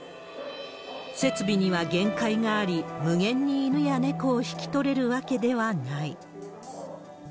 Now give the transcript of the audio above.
設備には限界があり、無限に犬や猫を引き取れるわけではない。